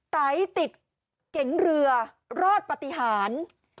ไตติดเก๋งเรือรอดปฏิหาร